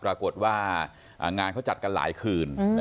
ปรากฏว่างานเขาจัดกันหลายคืน